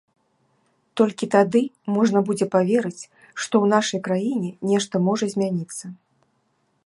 Толькі тады можна будзе паверыць, што ў нашай краіне нешта можа змяніцца.